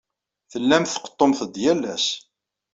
Tellamt tqeḍḍumt-d yal ass.